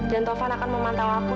dan taufan akan memantau aku